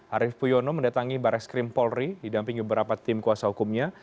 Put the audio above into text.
arief puyono mendatangi baris krim polri didampingi beberapa tim kuasa hukumnya